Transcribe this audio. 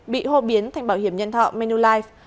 bị hô biến thành bảo hiểm nhân thọ menulife